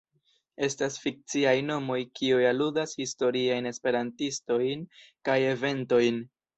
Estas fikciaj nomoj kiuj aludas historiajn Esperantistojn kaj eventojn.